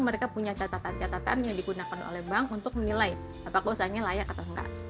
mereka punya catatan catatan yang digunakan oleh bank untuk menilai apakah usahanya layak atau enggak